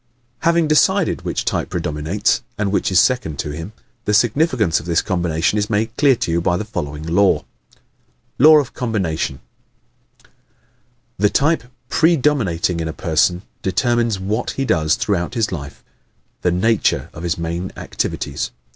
Having decided which type predominates and which is second in him, the significance of this combination is made clear to you by the following law: Law of Combination ¶ The type PREDOMINATING in a person determines WHAT he does throughout his life the NATURE of his main activities.